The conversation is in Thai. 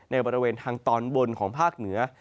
บริเวณทางตอนบนของภาคเหนือ